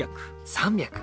３００。